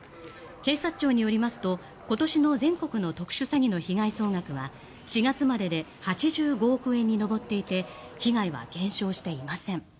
警察庁によりますと今年の全国の特殊詐欺の被害総額は４月までで８５億円に上っていて被害は減少していません。